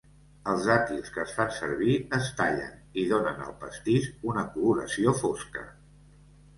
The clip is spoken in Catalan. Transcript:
Els dàtils que es fan servir es tallen, i donen al pastís una coloració fosca.